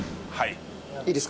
いいですか？